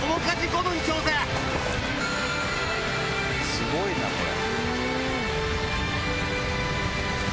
すごいなこれ。